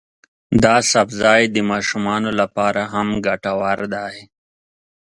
دا سبزی د ماشومانو لپاره هم ګټور دی.